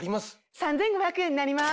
３，５００円になります。